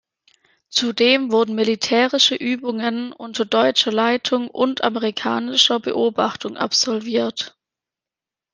Zudem wurden militärische Übungen unter deutscher Leitung und amerikanischer Beobachtung absolviert.